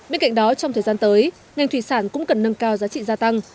bên cạnh đó trong thời gian tới ngành thủy sản cũng cần nâng cao giá trị gia tăng